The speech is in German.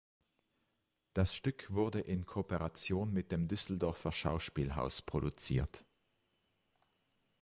Das Stück wurde in Kooperation mit dem Düsseldorfer Schauspielhaus produziert.